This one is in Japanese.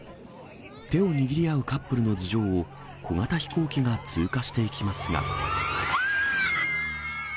手を握り合うカップルの頭上を、小型飛行機が通過していきますが。